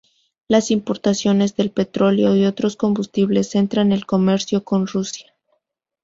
Las importaciones de petróleo y otros combustibles centran el comercio con Rusia.